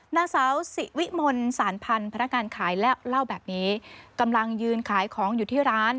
นางสาวสิวิมลสารพันธ์พนักงานขายและเล่าแบบนี้กำลังยืนขายของอยู่ที่ร้าน